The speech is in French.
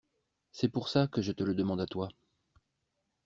C’est pour ça que je te le demande à toi.